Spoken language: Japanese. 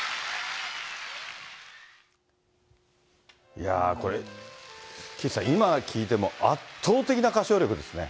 いやー、これ、岸さん、今聴いても圧倒的な歌唱力ですね。